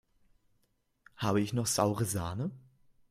Habe ich noch saure Sahne?